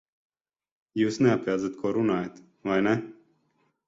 Jūs neapjēdzat, ko runājat, vai ne?